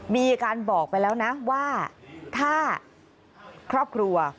มีการบอกไปแล้วนะว่าถ้าครอบครัว